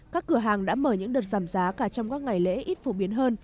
các cửa hàng đã mở những đợt giảm giá cả trong các ngày lễ ít phổ biến hơn